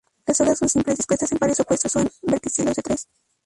Las hojas son simples, dispuestas en pares opuestos o en verticilos de tres.